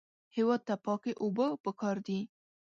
هېواد ته پاکې اوبه پکار دي